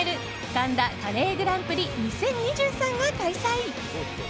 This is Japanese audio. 「神田カレーグランプリ２０２３」が開催。